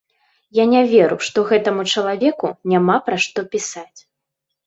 Я не веру, што гэтаму чалавеку няма пра што пісаць.